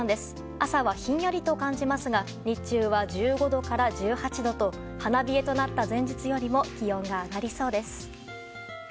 朝はひんやりと感じますが日中は１５度から１８度と花冷えとなった前日よりも気温が上がりそうです。